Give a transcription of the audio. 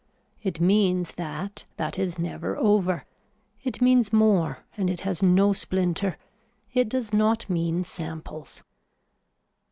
It means that that is never over. It means more and it has no splinter, it does not mean samples.